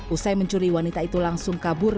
usai mencuri wanita itu langsung kabur